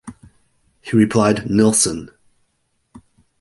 He replied, "Nilsson".